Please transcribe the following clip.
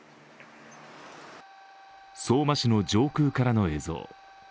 相馬市の上空からの映像。